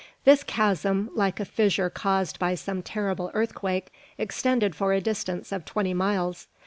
This chasm, like a fissure caused by some terrible earthquake, extended for a distance of twenty miles.